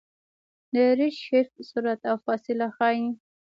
د ریډشفټ سرعت او فاصله ښيي.